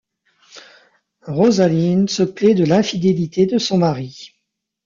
Rosalinde se plaint de l'infidélité de son mari.